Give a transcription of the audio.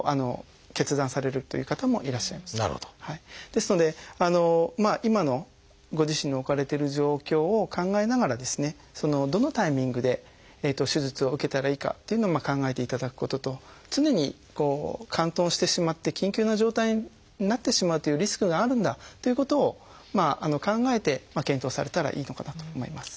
ですので今のご自身の置かれてる状況を考えながらですねどのタイミングで手術を受けたらいいかっていうのを考えていただくことと常にこう嵌頓してしまって緊急な状態になってしまうというリスクがあるんだということを考えて検討されたらいいのかなと思います。